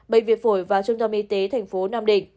bệnh viện phổi và trung tâm y tế thành phố nam định